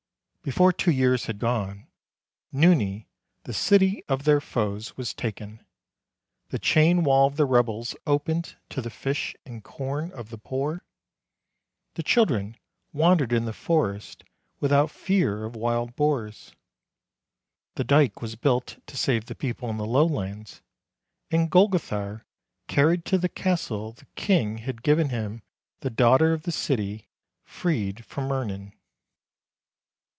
Before two years had gone, Nooni, the city of their foes, was taken, the chain wall of the rebels opened to the fish and corn of the poor, the children wandered in the forest without fear of wild boars, the dyke was built to save the people in the lowlands, and Golgothar carried to the castle the King had given him the daughter of the city, freed from Mirnan.